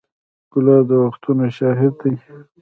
ګلاب د وختونو شاهد دی.